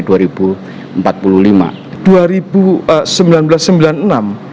jadi kita harus menggunakan kajian